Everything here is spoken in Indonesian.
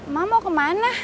ma mau kemana